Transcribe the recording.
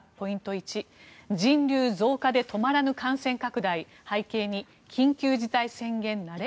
１人流増加で止まらぬ感染拡大背景に緊急事態宣言慣れ？